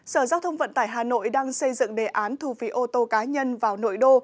sở giao thông vận tải hà nội đang xây dựng đề án thu phí ô tô cá nhân vào nội đô